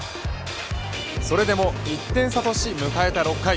それでも１点差とし迎えた６回。